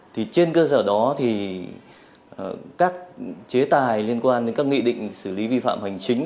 thì trên cơ sở đó thì các chế tài liên quan đến các nghị định xử lý vi phạm hành chính